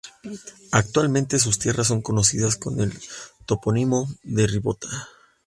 Actualmente sus tierras son conocidas con el topónimo de "Ribota".